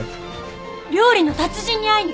料理の達人に会いに。